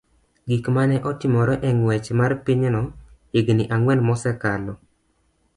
gik ma ne otimore e ng'wech mar pinyno higini ang'wen mosekalo,